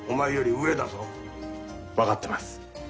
分かってます。